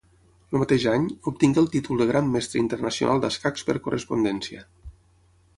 El mateix any, obtingué el títol de Gran Mestre Internacional d'escacs per correspondència.